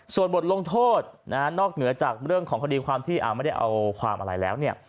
ส่วนบทลงโทษนะฮะนอกเหนือจากเรื่องของคดีความที่ไม่ได้เอาความอะไรแล้วเนี่ย